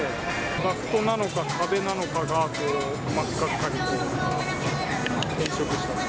ダクトなのか、壁なのかが真っ赤っかに、変色した。